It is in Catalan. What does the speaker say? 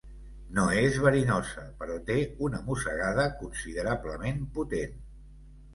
No és verinosa, però té una mossegada considerablement potent.